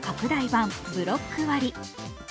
版・ブロック割。